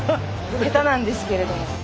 下手なんですけれども。